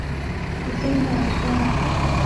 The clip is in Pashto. زه یی نه اخلم